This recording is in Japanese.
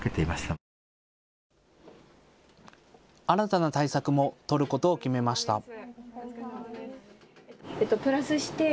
新たな対策も取ることを決めました。